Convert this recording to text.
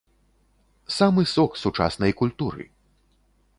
Самы сок сучаснай культуры!